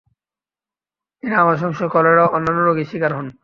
তিনি আমাশয়সহ কলেরা ও অন্যান্য রোগের শিকার হন।